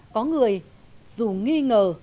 có người dù nghi ngờ